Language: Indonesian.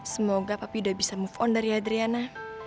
semoga papi udah bisa move on dari adriana